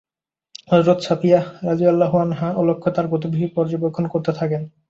হযরত সাফিয়্যাহ রাযিয়াল্লাহু আনহা অলক্ষ্যে তার গতিবিধি পর্যবেক্ষণ করতে থাকেন।